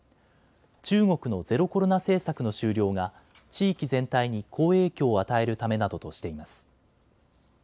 中国のゼロコロナ政策の終了が地域全体に好影響を与えるためなどとしています。